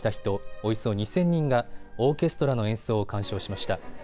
およそ２０００人がオーケストラの演奏を鑑賞しました。